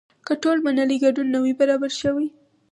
که ټول منلی ګډون نه وي برابر شوی.